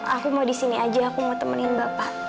aku mau disini aja aku mau temenin bapak